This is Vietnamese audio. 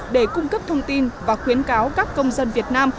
để cung cấp thông tin và khuyến cáo các công dân việt nam